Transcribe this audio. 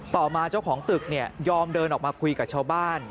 ต่อมาเจ้าของตึกยอมเดินออกมาคุยกับชาวบ้าน